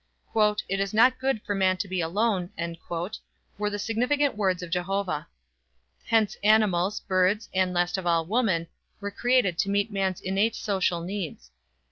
"It is not good for man to be alone" were the significant words of Jehovah. Hence animals, birds, and, last of all, woman, were created to meet man's innate social needs.